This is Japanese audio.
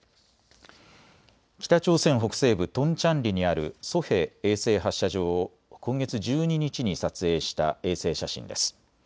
北朝鮮北西部トンチャンリにあるソヘ衛星発射場を今月１２日に撮影した衛星写真です。